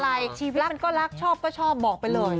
อะไรชีวิตมันก็รักชอบก็ชอบบอกไปเลย